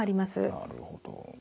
なるほど。